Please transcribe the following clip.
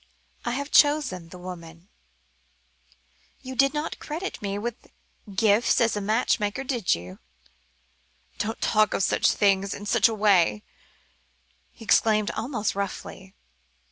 "I have even chosen the woman. You did not credit me with gifts as a matchmaker, did you?" "Don't talk of such things in such a way," he exclaimed almost roughly.